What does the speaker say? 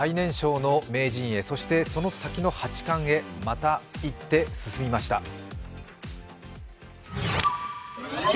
最年少の名人へそしてその先の八冠へまた一手、進みました。